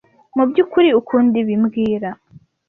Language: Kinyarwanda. Mubyukuri ukunda ibi mbwira